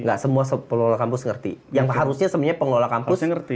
gak semua pengelola kampus ngerti yang harusnya sebenarnya pengelola kampus mengerti